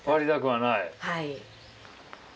はい。